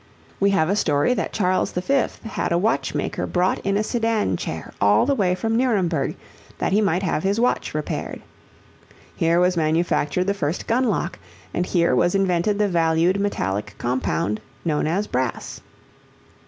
We have a story that Charles V. had a watchmaker brought in a sedan chair all the way from Nuremberg that he might have his watch repaired. Here was manufactured the first gun lock, and here was invented the valued metallic compound known as brass.